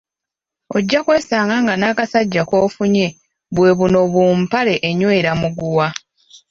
Ojja kwesanga nga n'akasajja k'ofunye bwe buno bu "mpale enywera muguwa"